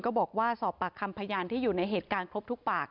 บอกว่าสอบปากคำพยานที่อยู่ในเหตุการณ์ครบทุกปาก